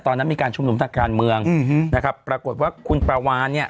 ตอนนั้นมีการชุมนุมทางการเมืองนะครับปรากฏว่าคุณปลาวานเนี่ย